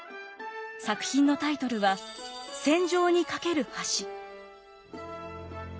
作品のタイトルは「戦場にかける橋」。